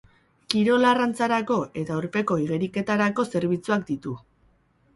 Kirol-arrantzarako eta urpeko igeriketarako zerbitzuak ditu.